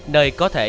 nơi có thể